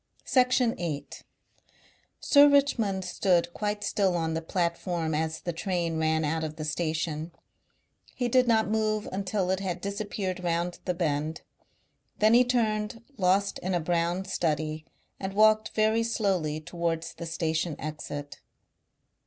Section 8. Sir Richmond stood quite still on the platform as the train ran out of the station. He did not move until it had disappeared round the bend. Then he turned, lost in a brown study, and walked very slowly towards the station exit.